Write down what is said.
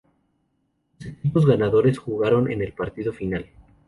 Los equipos ganadores jugaron en el partido final.